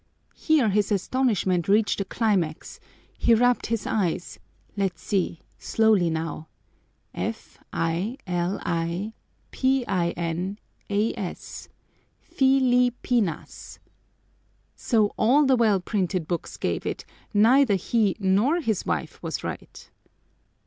Here his astonishment reached a climax: he rubbed his eyes let's see slowly, now! F i l i p i n a s, Filipinas! So all the well printed books gave it neither he nor his wife was right!